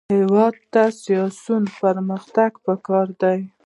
هېواد ته ساینسي پرمختګ پکار دی